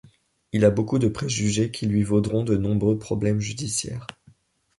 Il a beaucoup de préjugés qui lui vaudront de nombreux problèmes judiciaires.